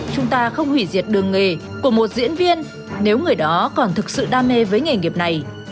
chúng ta không hủy diệt đường nghề của một diễn viên nếu người đó còn thực sự đam mê với nghề nghiệp này